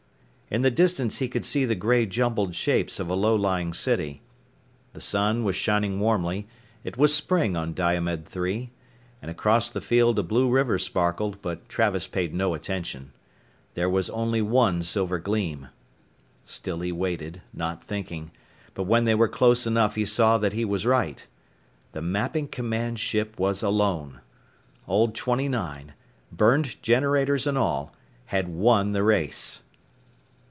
In the distance he could see the gray jumbled shapes of a low lying city. The sun was shining warmly, it was spring on Diomed III, and across the field a blue river sparkled, but Travis paid no attention. There was only one silver gleam. Still he waited, not thinking. But when they were close enough he saw that he was right. The Mapping Command ship was alone. Old 29, burned generators and all, had won the race.